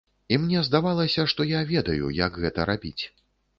І мне здавалася, што я ведаю, як гэта рабіць.